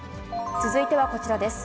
続いてはこちらです。